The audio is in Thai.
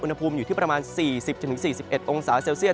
อุณหภูมิอยู่ที่ประมาณ๔๐๔๑องศาเซลเซียต